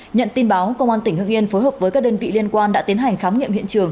nhận tin báo công an tỉnh hưng yên phối hợp với các đơn vị liên quan đã tiến hành khám nghiệm hiện trường